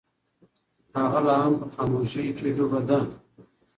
هغه لا هم په خاموشۍ کې ډوبه ده.